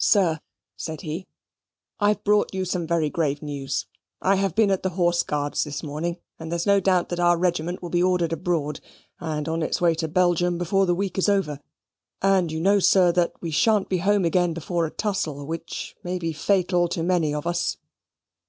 "Sir," said he, "I've brought you some very grave news. I have been at the Horse Guards this morning, and there's no doubt that our regiment will be ordered abroad, and on its way to Belgium before the week is over. And you know, sir, that we shan't be home again before a tussle which may be fatal to many of us."